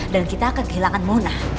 dan kita akan kehilangan mona